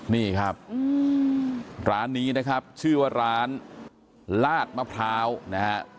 นี่ครับร้านนี้นะครับชื่อว่าร้านลาดมะพร้าวนะฮะ